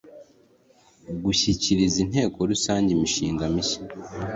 gushyikiriza inteko rusange imishinga mishya